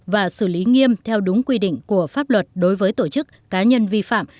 và xử lý nghiêm theo đúng quy định của pháp luật đối với tổ chức cá nhân vi phạm